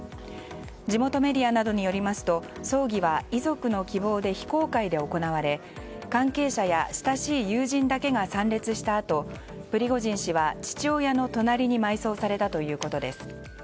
地元メディアなどによりますと葬儀は遺族の希望で非公開で行われ、関係者や親しい友人だけが参列したあとプリゴジン氏は父親の隣に埋葬されたということです。